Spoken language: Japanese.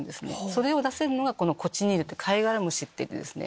それを出せるのがコチニールってカイガラムシなんですね。